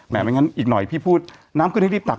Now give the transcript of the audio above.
ไม่งั้นอีกหน่อยพี่พูดน้ำขึ้นให้รีบตัก